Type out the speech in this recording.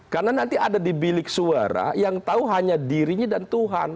karena nanti ada di bilik suara yang tahu hanya dirinya dan tuhan